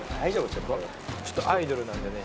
ちょっとちょっとアイドルなんでね